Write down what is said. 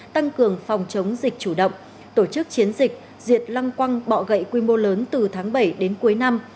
tăng cường phòng chống dịch chủ động tổ chức chiến dịch diệt lăng quăng bọ gậy quy mô lớn từ tháng bảy đến cuối năm